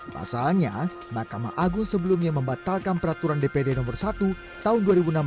pasalnya mahkamah agung sebelumnya membatalkan peraturan dpd nomor satu tahun dua ribu enam belas